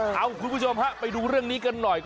เอาคุณผู้ชมฮะไปดูเรื่องนี้กันหน่อย